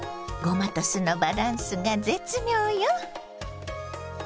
ごまと酢のバランスが絶妙よ。